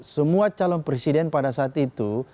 semua calon presiden pada saat itu